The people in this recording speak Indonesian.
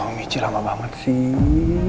misi lama banget sih